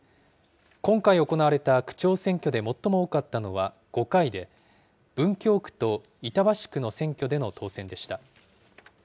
今回行われた区長選挙で最も多かったのは５回で、文京区と板橋区の選挙での当選でした。